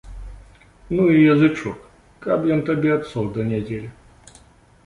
Ну і язычок, каб ён табе адсох да нядзелі.